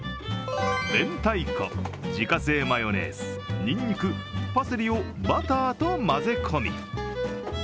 明太子、自家製マヨネーズにんにく、パセリをバターと混ぜ込み